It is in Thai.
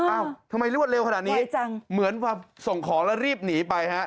อ้าวทำไมรวดเร็วขนาดนี้เหมือนมาส่งของแล้วรีบหนีไปฮะ